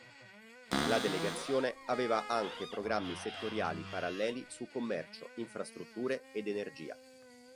La delegazione aveva anche programmi settoriali paralleli su commercio, infrastrutture ed energia.